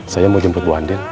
saya mau jemput bu andir